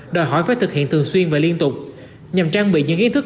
đòi hỏi phải thực hiện thường xuyên và liên tục nhằm trang bị những ý thức